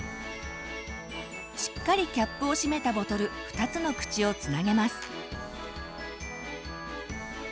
しっかりキャップを閉めたボトル２つの口をつなげます。